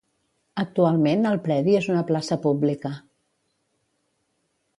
Actualment el predi és una plaça pública.